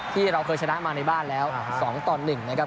ที่เราเคยชนะมาในบ้านแล้ว๒ต่อ๑นะครับ